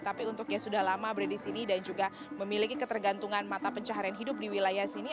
tapi untuk yang sudah lama berada di sini dan juga memiliki ketergantungan mata pencaharian hidup di wilayah sini